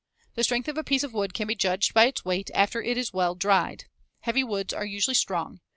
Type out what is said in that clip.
The strength of a piece of wood can be judged by its weight after it is well dried. Heavy woods are usually strong.